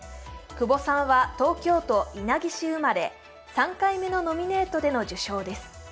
窪さんは東京都稲城市生まれ、３回目のノミネートでの受賞です。